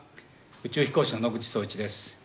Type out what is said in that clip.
宇宙飛行士の野口聡一です。